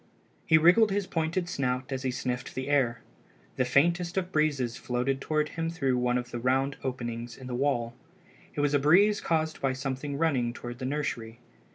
He wriggled his pointed snout as he sniffed the air. The faintest of breezes floated toward him through one of the round openings in the wall. It was a breeze caused by something running toward the nursery.